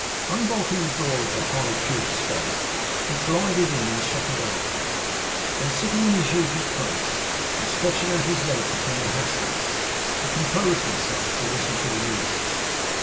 Unbolting the door of the high pew of state, he glided in and shut it after him; then sitting in his usual place, and stretching out his legs upon the hassocks, he composed himself to listen to the music.